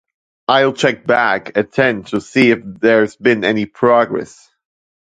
I'll check back at ten to see if there's been any progress.